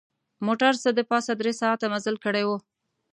موټر څه د پاسه درې ساعته مزل کړی و.